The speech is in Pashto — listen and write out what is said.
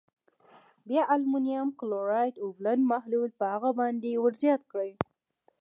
بیا المونیم کلورایډ اوبلن محلول په هغه باندې ور زیات کړئ.